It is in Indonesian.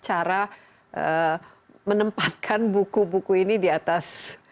karena kita terima arah menempatkan buku buku ini di atas kuda seperti ini ya